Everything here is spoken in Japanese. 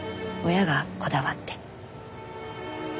親がこだわって。